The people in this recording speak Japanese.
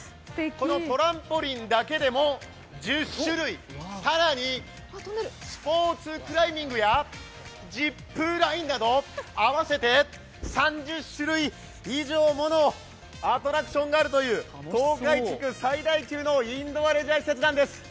このトランポリンだけでも１０種類、更に、スポーツクライミングやジップラインなど合わせて３０種類以上ものアトラクションがあるという東海地区最大級のインドアレジャー施設なんです。